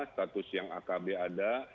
status yang akb ada